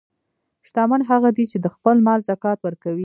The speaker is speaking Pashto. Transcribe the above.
شتمن هغه دی چې د خپل مال زکات ورکوي.